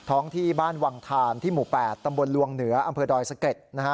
ที่บ้านวังทานที่หมู่๘ตำบลลวงเหนืออำเภอดอยสะเก็ดนะฮะ